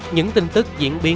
những tin tức diễn biến